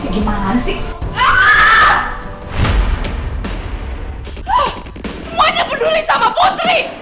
semuanya peduli sama putri